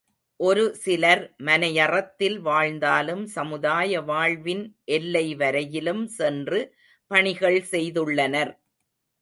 ஒரு சிலர் மனையறத்தில் வாழ்ந்தாலும் சமுதாய வாழ்வின் எல்லை வரையிலும் சென்று பணிகள் செய்துள்ளனர்.